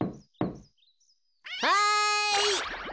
はい！